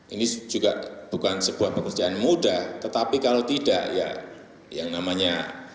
ini juga bukan sebuah pekerjaan mudah tetapi kalau tidak ya yang namanya